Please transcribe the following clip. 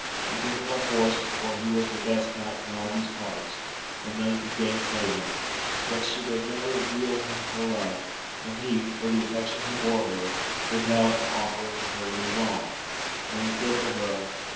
He took her by force, for he was the best knight in all these parts, and none could gainsay him, yet would she never yield him her love ; and he, for the affection he bore her, withheld from offering her any wrong ; and he said to her.